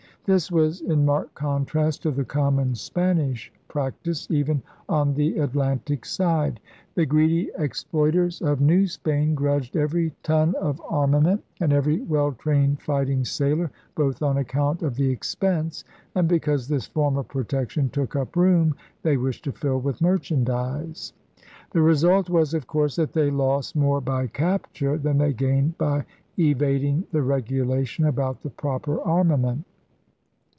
This was in marked contrast to the common Spanish practice, even on the Atlantic side. The greedy exploiters of New Spain grudged every ton of armament * ENCOMPASSMENT OF ALL THE WORLDE ' 137 and every well trained fighting sailor, both on account of the expense and because this form of protection took up room they wished to fill with merchandise. The result was, of course, that they lost more by capture than they gained by evad ing the regulation about the proper armament.